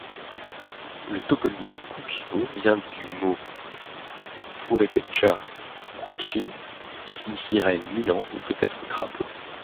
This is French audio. Le toponyme Cuquío vient du mot purépecha Cuixi qui signifierait milan ou peut-être crapauds.